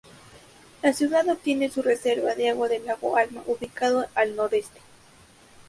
La ciudad obtiene su reserva de agua del lago Alma, ubicado al noreste.